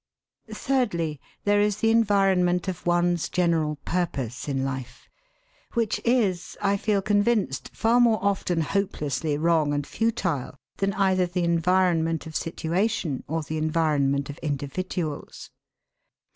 Thirdly, there is the environment of one's general purpose in life, which is, I feel convinced, far more often hopelessly wrong and futile than either the environment of situation or the environment of individuals.